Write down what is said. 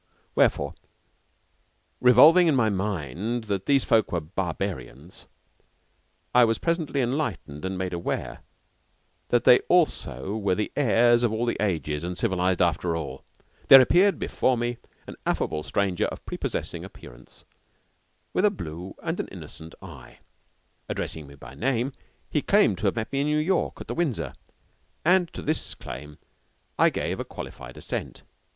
Wherefore, revolving in my mind that these folk were barbarians, I was presently enlightened and made aware that they also were the heirs of all the ages, and civilized after all. There appeared before me an affable stranger of prepossessing appearance, with a blue and an innocent eye. Addressing me by name, he claimed to have met me in New York, at the Windsor, and to this claim I gave a qualified assent.